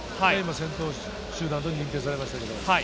先頭集団と認定されました。